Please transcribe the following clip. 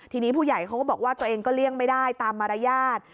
ทีนี้ผู้ใหญ่เขาก็บอกว่าตัวเองก็เลี่ยงไม่ได้ตามมารยาท